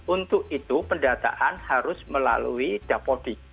untuk itu pendataan harus melalui dapodik